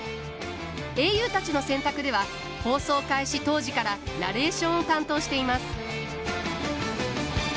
「英雄たちの選択」では放送開始当時からナレーションを担当しています。